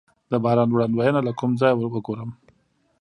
د باران وړاندوینه له کوم ځای وګورم؟